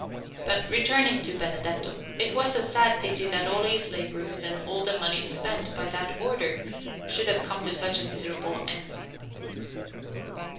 But returning to Benedetto: it was a sad pity that all his labours and all the money spent by that Order should have come to such a miserable end.